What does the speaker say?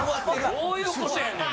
どういうことやねん？